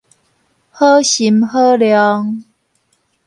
好心好量